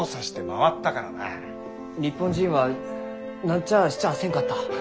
日本人は何ちゃあしちゃあせんかった？